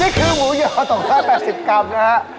นี่คือหมูหย่องตรงรุ้น๘๐กรัมนะฮะ